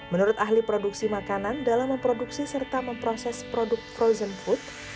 menurut ahli produksi makanan dalam memproduksi serta memproses produk frozen food